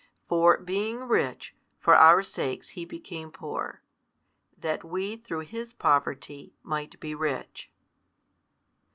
For, being Rich, for our sakes He became poor, that we through His poverty might be rich.